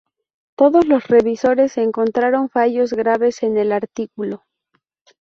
Todos los revisores encontraron fallos graves en el artículo.